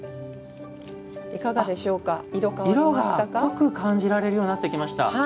色が濃く感じられるようになってきました。